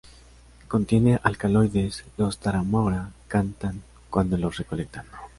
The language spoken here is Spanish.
Contiene alcaloides, los Tarahumara cantan cuando los recolectan.